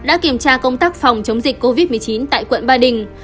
đã kiểm tra công tác phòng chống dịch covid một mươi chín tại quận ba đình